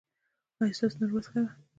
ایا ستاسو نن ورځ ښه وه؟